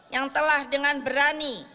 yang telah dengan berani